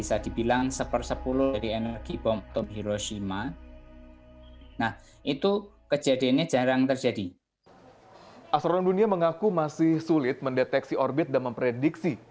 astron dunia mengaku masih sulit mendeteksi orbit dan memprediksi